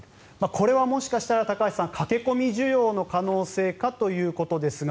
これはもしかしたら高橋さん駆け込み需要の可能性かということですが